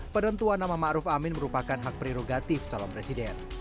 penentuan nama ma'ruf amin merupakan hak prerogatif calon presiden